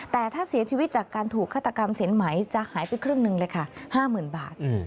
แต่ถ้าเสียชีวิตจากการถูกฆาตกรรมสินไหมจะหายไปครึ่งหนึ่งเลยค่ะ๕๐๐๐บาท